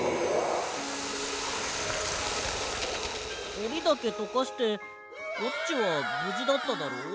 おりだけとかしてコッチはぶじだっただろ？